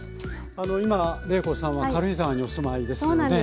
あの今麗子さんは軽井沢にお住まいですよね？